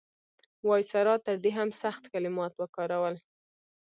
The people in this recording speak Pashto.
وایسرا تر دې هم سخت کلمات وکارول.